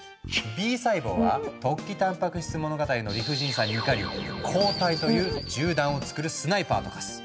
Ｂ細胞は「突起たんぱく質物語」の理不尽さに怒り抗体という銃弾をつくるスナイパーと化す。